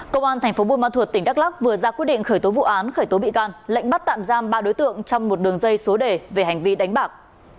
công an thành phố buôn ma thuột tỉnh đắk lắc vừa ra quyết định khởi tố vụ án khởi tố bị can lệnh bắt tạm giam ba đối tượng trong một đường dây số đề về hành vi đánh bạc